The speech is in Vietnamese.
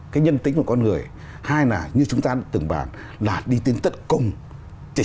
cái điều tử tế